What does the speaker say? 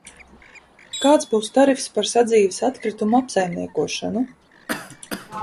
Kāds būs tarifs par sadzīves atkritumu apsaimniekošanu?